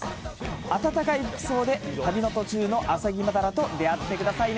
暖かい服装で旅の途中のアサギマダラと出会ってくださいね。